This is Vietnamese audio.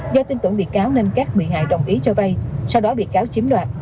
do tin tưởng bị cáo nên các bị hại đồng ý cho vay sau đó bị cáo chiếm đoạt